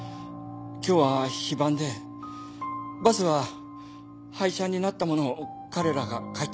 今日は非番でバスは廃車になったものを彼らが買い取ったんです。